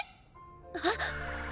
あっ！